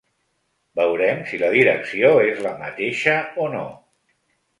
Veurem si la direcció és la mateixa o no.